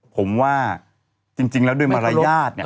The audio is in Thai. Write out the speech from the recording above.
ผมว่าจริงแล้วโดยมารยาท